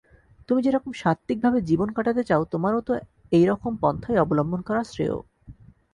তুমি যেরকম সাত্ত্বিকভাবে জীবন কাটাতে চাও তোমারও তো এইরকম পন্থাই অবলম্বন করা শ্রেয়।